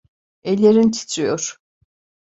Ellerin titriyor.